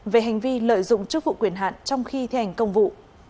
về hành vi lợi dụng chức vụ quyền hạn trong khi thành công vụ